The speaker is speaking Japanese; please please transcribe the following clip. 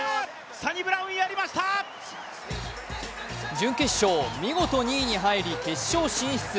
準決勝、見事２位に入り決勝進出。